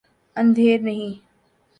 اندھیر نہیں۔